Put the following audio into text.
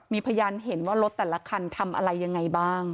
มีพยานเห็นว่ารถแต่ละคันทำอะไรยังไงบ้าง